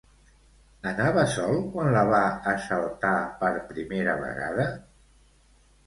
Anava sol quan la va assaltar per primera vegada?